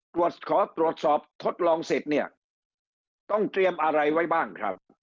ขอตรวจสอบทดลองสิทธิ์เนี่ยต้องเตรียมอะไรไว้บ้างครับ